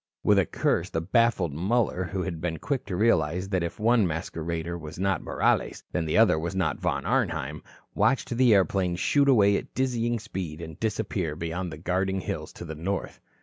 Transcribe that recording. With a curse the baffled Muller, who had been quick to realize that if one masquerader was not Morales, then the other was not Von Arnheim, watched the airplane shoot away at dizzying speed and disappear beyond the guarding hills to the north.